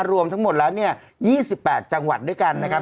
รวมทั้งหมดแล้ว๒๘จังหวัดด้วยกันนะครับ